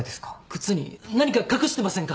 靴に何か隠してませんか？